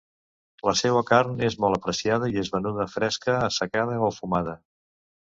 La seua carn és molt apreciada i és venuda fresca, assecada o fumada.